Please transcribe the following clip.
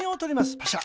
パシャ。